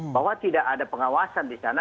bahwa tidak ada pengawasan di sana